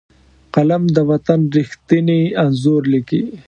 قلم د وطن ریښتیني انځور لیکي